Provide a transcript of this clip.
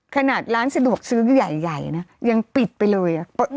ขนาดร้านสะดวกซื้อใหญ่นะยังปิดไปเลย